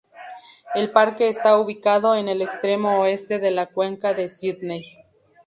El parque está ubicado en el extremo oeste de la cuenca de Sidney.